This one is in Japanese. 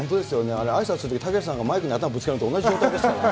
あれ、あいさつのとき、たけしさんがマイクに頭ぶつけるのと同じ状態ですからね。